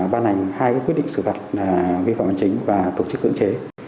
ban hành hai cái quyết định xử phạt là vi phạm an chính và tổ chức cưỡng chế